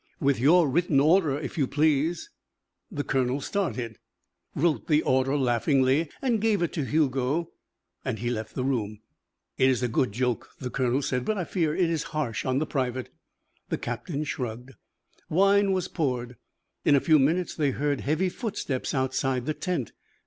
"With your written order, if you please." The colonel started, wrote the order laughingly, and gave it to Hugo. He left the room. "It is a good joke," the colonel said. "But I fear it is harsh on the private." The captain shrugged. Wine was poured. In a few minutes they heard heavy footsteps outside the tent.